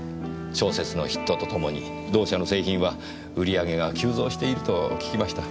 小説のヒットとともに同社の製品は売り上げが急増していると聞きました。